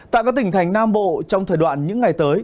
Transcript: tại các tỉnh thành nam bộ trong thời đoạn những ngày tới